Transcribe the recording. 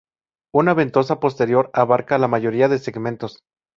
Una ventosa posterior abarca la mayoría de segmentos.